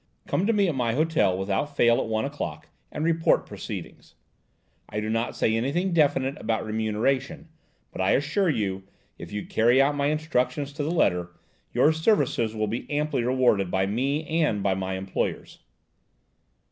Come to me at my hotel without fail at one o'clock and report proceedings. I do not say anything definite about remuneration, but I assure you, if you carry out my instructions to the letter, your services will be amply rewarded by me and by my employers."